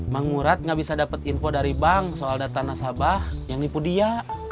mang murad gak bisa dapet info dari bang soal data nasabah yang nipu dia